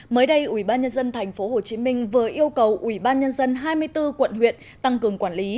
mới đây ủy ban nhân dân tp hcm vừa yêu cầu ủy ban nhân dân hai mươi bốn quận huyện tăng cường quản lý